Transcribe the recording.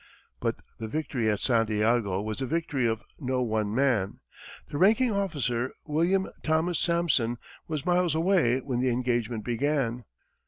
But the victory at Santiago was the victory of no one man. The ranking officer, William Thomas Sampson, was miles away when the engagement began.